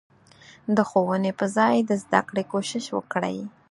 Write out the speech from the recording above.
د ښوونې په ځای د زدکړې کوشش وکړي.